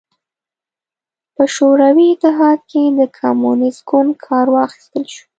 په شوروي اتحاد کې د کمونېست ګوند کار واخیستل شو.